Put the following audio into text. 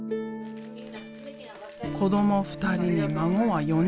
子ども２人に孫は４人。